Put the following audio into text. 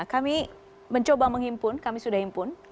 kami mencoba menghimpun kami sudah impun